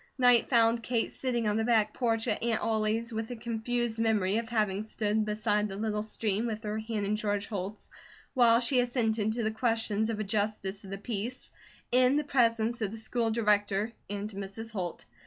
Night found Kate sitting on the back porch at Aunt Ollie's with a confused memory of having stood beside the little stream with her hand in George Holt's while she assented to the questions of a Justice of the Peace, in the presence of the School Director and Mrs. Holt.